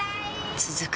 続く